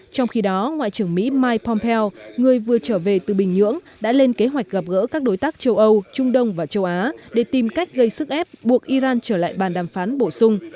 trong khi đó ngoại trưởng mỹ mike pompeo người vừa trở về từ bình nhưỡng đã lên kế hoạch gặp gỡ các đối tác châu âu trung đông và châu á để tìm cách gây sức ép buộc iran trở lại bàn đàm phán bổ sung